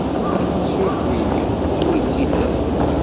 Suref-iyi! Anwa i k-ilan?